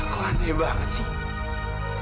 kok aneh banget sih